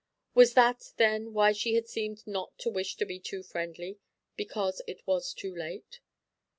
Was that, then, why she had seemed not to wish to be too friendly because it was too late?